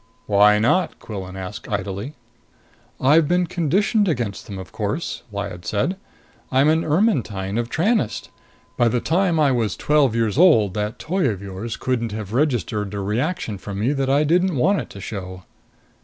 "Why not?" Quillan asked idly. "I've been conditioned against them, of course," Lyad said. "I'm an Ermetyne of Tranest. By the time I was twelve years old, that toy of yours couldn't have registered a reaction from me that I didn't want it to show."